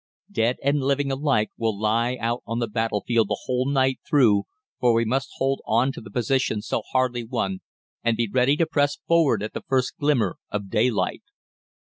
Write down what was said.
"Dead and living alike will lie out on the battlefield the whole night through, for we must hold on to the positions so hardly won, and be ready to press forward at the first glimmer of daylight.